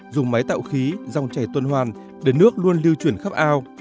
dùng máy tạo khí dòng chảy tuần hoàn để nước luôn lưu chuyển khắp ao